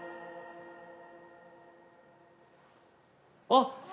あっ！